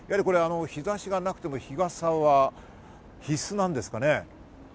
日差しがなくても日傘は必須なんですかね。